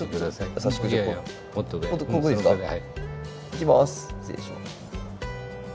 いきます。